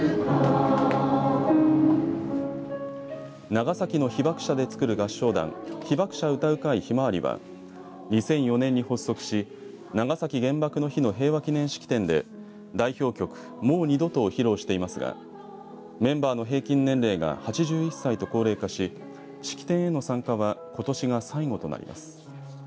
長崎の被爆者でつくる合唱団被爆者歌う会ひまわりは２００４年に発足し長崎原爆の日の平和祈念式典で代表曲、もう二度とを披露していますがメンバーの平均年齢が８１歳と高齢化し式典への参加はことしが最後となります。